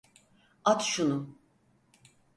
At şunu!